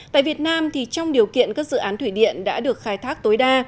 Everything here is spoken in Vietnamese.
tại việt nam trong điều kiện các dự án thủy điện đã được khai thác tối đa